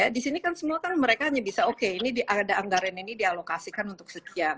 di sini kan semua kan mereka hanya bisa oke ini ada anggaran ini dialokasikan untuk sekian